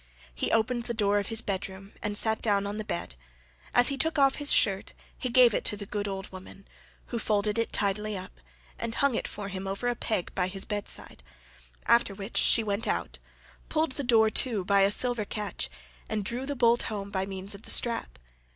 He opened the door of his bed room and sat down upon the bed; as he took off his shirt15 he gave it to the good old woman, who folded it tidily up, and hung it for him over a peg by his bed side, after which she went out, pulled the door to by a silver catch, and drew the bolt home by means of the strap.